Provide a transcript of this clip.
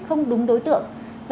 không đúng đối tượng